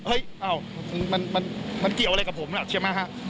เฮ้ยอ้าวมันเกี่ยวอะไรกับผมนะใช่ไหม